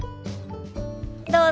どうぞ。